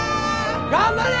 頑張れ！